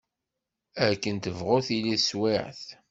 Akken tebɣu tili teswiɛt.